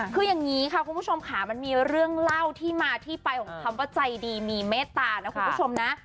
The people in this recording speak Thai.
คืออย่างนี้ค่ะคุณผู้ชมค่ะมันมีเรื่องเล่าที่มาที่ไปของคำว่าใจดีมีเมตตานะคุณผู้ชมนะ